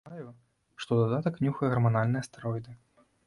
Падазраю, што ў дадатак нюхае гарманальныя стэроіды.